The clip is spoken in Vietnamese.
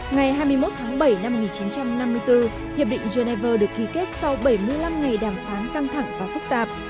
ngày hai mươi một tháng bảy năm một nghìn chín trăm năm mươi bốn hiệp định geneva được ký kết sau bảy mươi năm ngày đàm phán căng thẳng và phức tạp